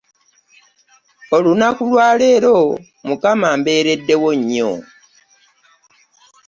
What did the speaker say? Olunaku lwa leero mukama amberedewo nnyo.